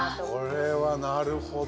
これはなるほど。